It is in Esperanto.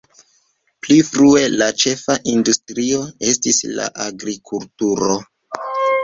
Pli frue la ĉefa industrio estis la agrikulturo.